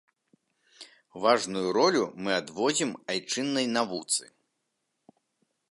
Важную ролю мы адводзім айчыннай навуцы.